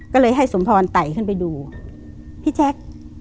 ก็เลยให้สมพรไต่ขึ้นไปดูพี่แจ๊ค